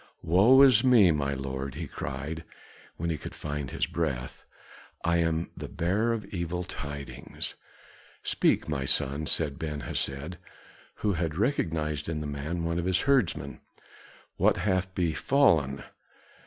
"Woe is me, my lord," he cried, when he could find his breath, "I am the bearer of evil tidings." "Speak, my son," said Ben Hesed, who had recognized in the man one of his herdsmen. "What hath befallen?"